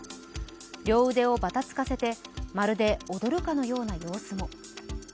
両腕をばたつかせて、まるで踊るかのような様子も。